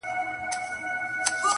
غمونه هېر سي اتڼونو ته ډولونو راځي.!